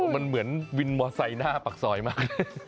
มันเหมือนวินมอไซค์หน้าปากซอยมาก